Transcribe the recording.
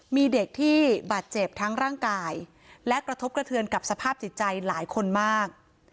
มีเด็กที่บาดเจ็บทั้งร่างกายและกระทบกระเทือนกับสภาพจิตใจหลายคนมาก